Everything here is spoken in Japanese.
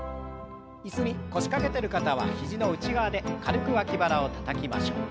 椅子に腰掛けてる方は肘の内側で軽く脇腹をたたきましょう。